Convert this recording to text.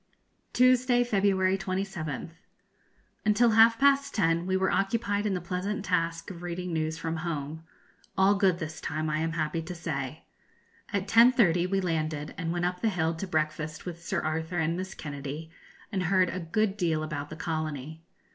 _ Tuesday, February 27th. Until half past ten we were occupied in the pleasant task of reading news from home all good this time, I am happy to say. At 10.30 we landed and went up the hill to breakfast with Sir Arthur and Miss Kennedy, and heard a good deal about the colony.